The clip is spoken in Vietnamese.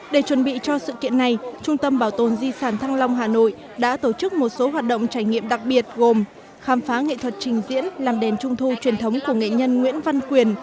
để chuẩn bị cho sự kiện này trung tâm bảo tồn di sản thăng long hà nội đã tổ chức một số hoạt động trải nghiệm đặc biệt gồm khám phá nghệ thuật trình diễn làm đèn trung thu truyền thống của nghệ nhân nguyễn văn quyền